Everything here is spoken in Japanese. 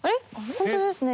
本当ですね。